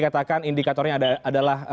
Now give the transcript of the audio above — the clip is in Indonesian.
katakan indikatornya adalah